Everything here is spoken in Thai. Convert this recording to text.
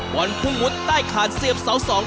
บอลภุงหมุทร์ใต้ครานเสียบเสียบ๒